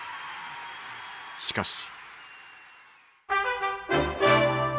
しかし。